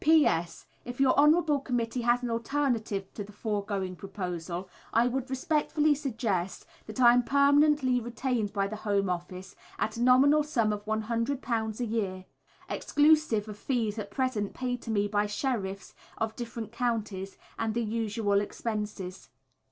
P.S. If your Honourable Committee has an alternative to the foregoing proposal I would respectfully suggest that I am permanently retained by the Home Office at a nominal sum of £100 a year, exclusive of fees at present paid to me by Sheriffs of different Counties and the usual Expenses.